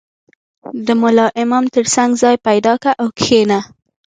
• د ملا امام تر څنګ ځای پیدا کړه او کښېنه.